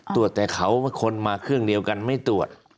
ตรวจแต่เขาคนมาเครื่องเดียวกันไม่ตรวจ